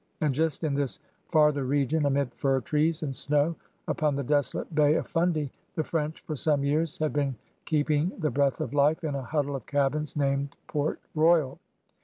And just in this farther region, amid fir trees and snow, upon the desolate Bay of Fundy, the French for some years had been keeping the breath of life in a huddle of cabins named Port Royal.